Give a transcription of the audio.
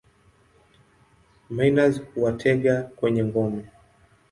Minus huwatega kwenye ngome.